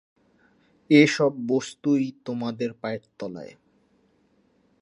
এ-সব বস্তুই তোমাদের পায়ের তলায়।